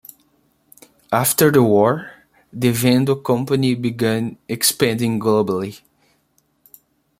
After the war, the Vendo company began expanding globally.